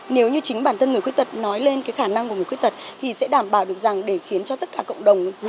nếu như chính bản thân người khuyết tật nói lên cái khả năng của người khuyết tật thì sẽ đảm bảo được rằng để khiến cho tất cả cộng đồng